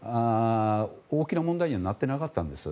大きな問題にはなってなかったんです。